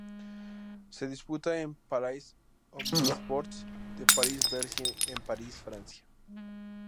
Se disputa en Palais Omnisports de Paris-Bercy en París, Francia.